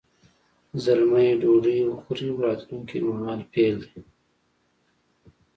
زلمی ډوډۍ وخوري راتلونکي مهال فعل دی.